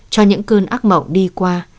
cho những cơn ác mộng đi qua